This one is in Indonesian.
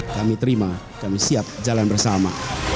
kami terima kami siap jalan bersama